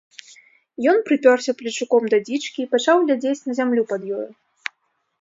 Ён прыпёрся плечуком да дзічкі і пачаў глядзець на зямлю пад ёю.